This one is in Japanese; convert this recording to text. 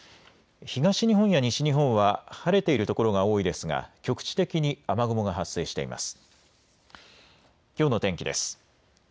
東日本や西日本は晴れている所が多いですが局地的に雨雲が発生しています。